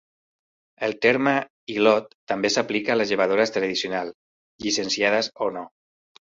El terme "hilot" també s'aplica a les llevadores tradicionals, llicenciades o no.